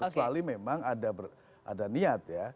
kecuali memang ada niat ya